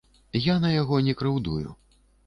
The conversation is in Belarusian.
Я на яго не крыўдую.